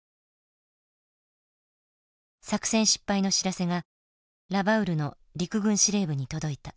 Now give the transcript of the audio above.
作戦失敗の知らせがラバウルの陸軍司令部に届いた。